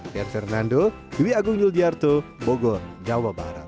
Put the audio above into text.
diak fernando diwi agung yul diyarto bogor jawa barat